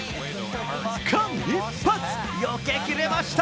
間一髪、よけきりました。